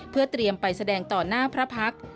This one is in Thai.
เพื่อเตรียมไปแสดงต่อหน้าพระพักษ์